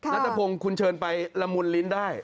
นัตรโรปมกคะค์คุณเชิญไปรมูลลิ้นได้